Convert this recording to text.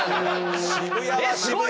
渋谷は渋谷！